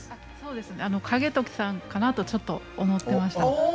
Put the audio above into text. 景時さんかなとちょっと思っていました。